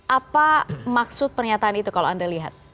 apa maksud pernyataan itu kalau anda lihat